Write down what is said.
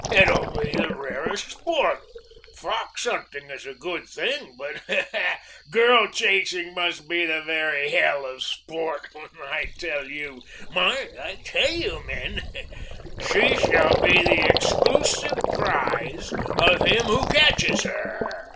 It will be the rarest sport! Fox hunting is a good thing, but girl chasing must be the very h l of sport, when I tell you mind, I tell you, men she shall be the exclusive prize of him who catches her!"